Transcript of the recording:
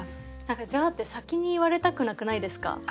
何か「じゃあ」って先に言われたくなくないですか？